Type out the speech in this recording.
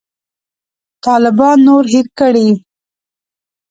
طالبان نور هېر کړي.